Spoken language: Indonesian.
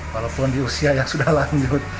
walaupun di usia yang sudah lanjut